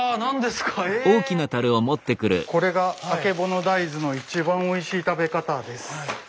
これがあけぼの大豆の一番おいしい食べ方です。